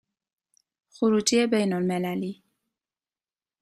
خروجی بین المللی